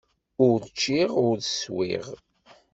Ur cččiɣ, ur swiɣ.